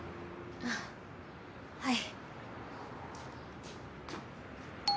あっはい。